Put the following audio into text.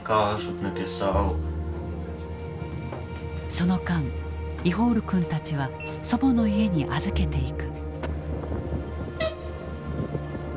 その間イホール君たちは祖母の家に預けていく。